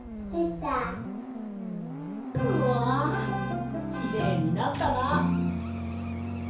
きれいになったな！